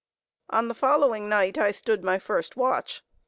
On the following night, I stood my first watch.